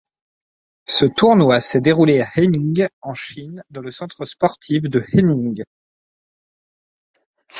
Ce tournoi s'est déroulé à Haining en Chine dans le centre sportif de Haining.